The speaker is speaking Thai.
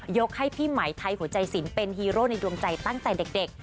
ยกให้พี่ไหมไทยหัวใจสินเป็นฮีโร่ในดวงใจตั้งแต่เด็ก